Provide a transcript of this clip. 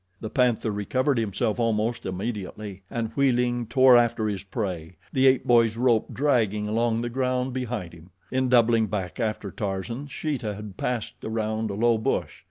The panther recovered himself almost immediately and, wheeling, tore after his prey, the ape boy's rope dragging along the ground behind him. In doubling back after Tarzan, Sheeta had passed around a low bush.